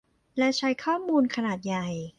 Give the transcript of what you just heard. และใช้ข้อมูลขนาดใหญ่